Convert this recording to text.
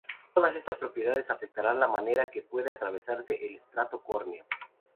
Todas estas propiedades afectarán la manera en que puede atravesar el estrato córneo.